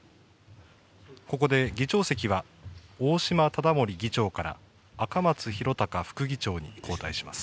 ここで議長席は、大島理森議長から、赤松広隆副議長に交代します。